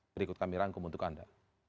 berikut kami rangkum untuk anda